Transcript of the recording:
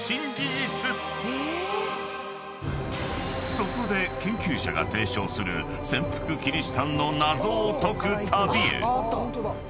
［そこで研究者が提唱する潜伏キリシタンの謎を解く旅へ］